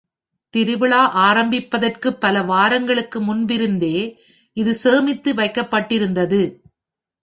திருவிழா ஆரம்பிப்பதற்கு பல வாரங்களுக்கு முன்பிருந்தே இது சேமித்து வைக்கப்பட்டிருந்தது.